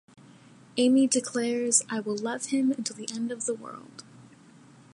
Amy declares, I will love him until the end of the world.